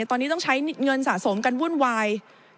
ตอนนี้ต้องใช้เงินสะสมกันวุ่นวาย